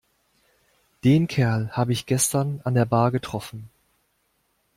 Den Kerl habe ich gestern an der Bar getroffen.